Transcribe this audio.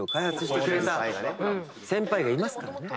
先輩がいますからね。